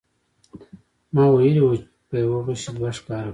ما ویلي و په یوه غیشي دوه ښکاره کوو.